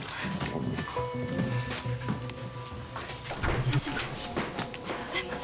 失礼します